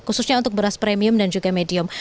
khususnya untuk beras premium dan juga medium